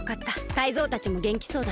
タイゾウたちもげんきそうだ。